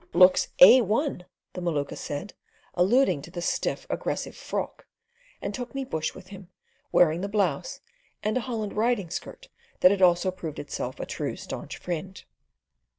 "Looks A1," the Maluka said, alluding to the stiff, aggressive frock, and took me "bush" with him, wearing the blouse, and a holland riding skirt that had also proved itself a true, staunch friend.